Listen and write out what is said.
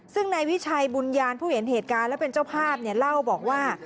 ซึ่งนายวิชัยบุญญาณผู้เห็นเหตุการณ์และเป็นเจ้าภาพเนี่ยเล่าบอกว่า